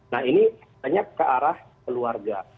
nah ini banyak ke arah keluarga